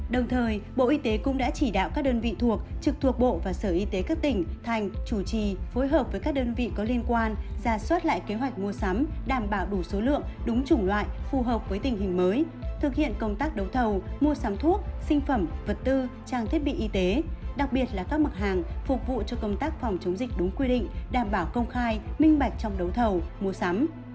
đồng thời bộ y tế cũng đã chỉ đạo các đơn vị thuộc trực thuộc bộ và sở y tế các tỉnh thành chủ trì phối hợp với các đơn vị có liên quan ra soát lại kế hoạch mua sắm đảm bảo đủ số lượng đúng chủng loại phù hợp với tình hình mới thực hiện công tác đấu thầu mua sắm thuốc sinh phẩm vật tư trang thiết bị y tế đặc biệt là các mặt hàng phục vụ cho công tác phòng chống dịch đúng quy định đảm bảo công khai minh bạch trong đấu thầu mua sắm